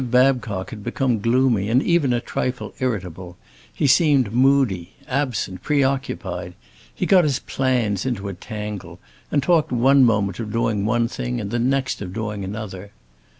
Babcock had become gloomy and even a trifle irritable; he seemed moody, absent, preoccupied; he got his plans into a tangle, and talked one moment of doing one thing and the next of doing another.